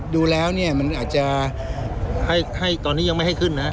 ดูแล้วเนี่ยมันอาจจะให้ตอนนี้ยังไม่ให้ขึ้นนะ